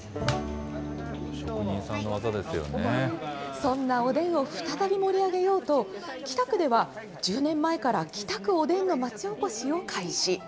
そんなおでんを再び盛り上げようと、北区では、１０年前から、北区おでんの町おこしを開始。